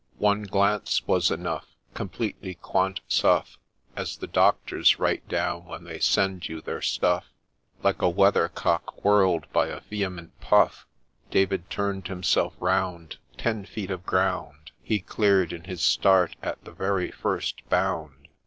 One glance was enough, Completely ' Quant, suff' As the doctors write down when they send you their ' stuff,' — Like a Weather cock whirled by a vehement puff, David turned himself round ; Ten feet of ground He clear' d, in his start, at the very first bound